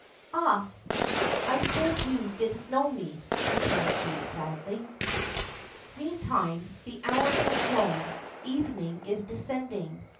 "Ah! I said you didn't know me," returns she sadly. Meantime the hours have flown; evening is descending.